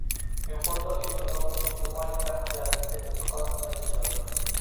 يۇقىرىدا ئېيتىلغانلىرى ئىجتىمائىي پەن جەھەتتىكى تەتقىقات نەتىجىلىرىدۇر.